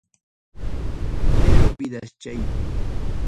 Soltero vidaschaypi.